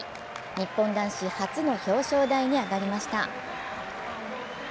日本男子初の表彰台に上りました。